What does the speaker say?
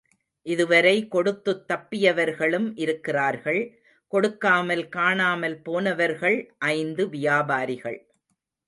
இதுவரை கொடுத்துத் தப்பியவர்களும் இருக்கிறார்கள், கொடுக்காமல் காணாமல் போனவர்கள் ஐந்து வியாபாரிகள்.